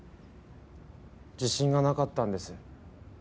自信がなかったんです。